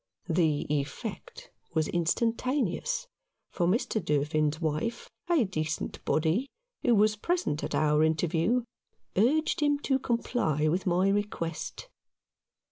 The effect was instantaneous, for Mr. Durfin's wife, a decent body, who was present at our interview, urged him to comply with my request.